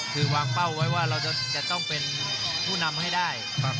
คือวางเป้าไว้ว่าเราจะต้องเป็นผู้นำให้ได้